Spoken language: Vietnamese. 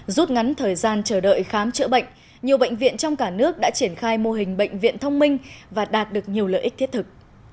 rút ngắn thời gian chờ đợi khám chữa bệnh nhiều bệnh viện trong cả nước đã triển khai mô hình bệnh viện thông minh và đạt được nhiều lợi ích thiết thực